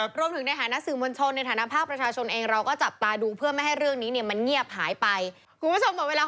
พรุ่งนี้ไปเดี๋ยวลองมาเรือนนี้ไปอ๋อเหรอ